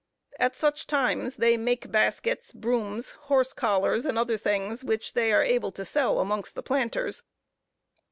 At such time they make baskets, brooms, horse collars, and other things, which they are able to sell amongst the planters.